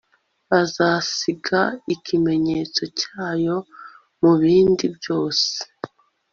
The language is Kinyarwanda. azasiga ikimenyetso cyayo mubindi byose